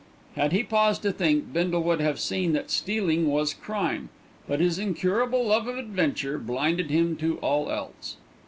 Had he paused to think, Bindle would have seen that stealing was crime; but his incurable love of adventure blinded him to all else.